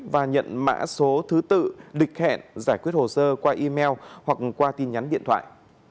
và nhận mã số thứ tự địch hẹn giải quyết hồ sơ qua email hoặc qua tin nhắn điện thoại